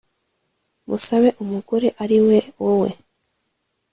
musabe umugore ariwe wowe